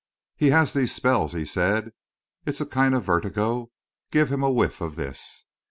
"He has these spells," he said. "It's a kind of vertigo. Give him a whiff of this."